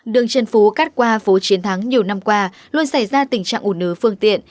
đường trần phú cắt qua phố chiến thắng nhiều năm qua luôn xảy ra tình trạng ủ nứ phương tiện